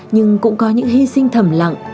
nhưng cũng có những hy sinh thầm lặng